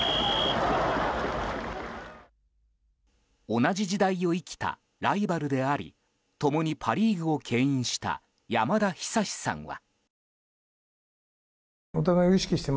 同じ時代を生きたライバルであり共にパ・リーグを牽引した山田久志さんは。